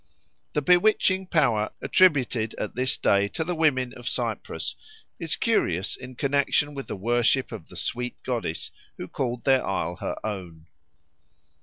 The bewitching power attributed at this day to the women of Cyprus is curious in connection with the worship of the sweet goddess, who called their isle her own.